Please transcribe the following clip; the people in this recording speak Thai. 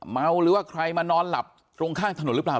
เมาหรือว่าใครมานอนหลับตรงข้างถนนหรือเปล่า